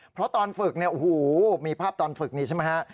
เพราะตอนฝึกเนี่ยโอ้โหมีภาพตอนฝึกนี่ใช่ไหมฮะ